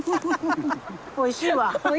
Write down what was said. おいしいわ。